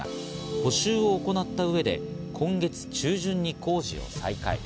補修を行った上で今月中旬に工事を再開。